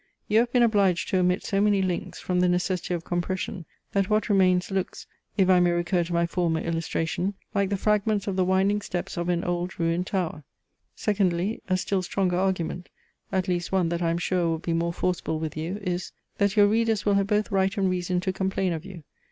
You have been obliged to omit so many links, from the necessity of compression, that what remains, looks (if I may recur to my former illustration) like the fragments of the winding steps of an old ruined tower. Secondly, a still stronger argument (at least one that I am sure will be more forcible with you) is, that your readers will have both right and reason to complain of you.